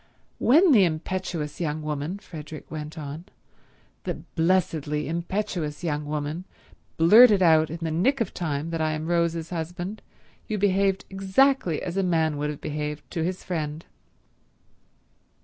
"When the impetuous young woman," Frederick went on, "the blessedly impetuous young woman, blurted out in the nick of time that I am Rose's husband, you behaved exactly as a man would have behaved to his friend."